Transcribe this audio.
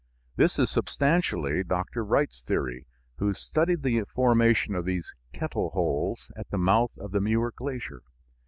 This is substantially Dr. Wright's theory, who studied the formation of these "kettle holes" at the mouth of the Muir glacier.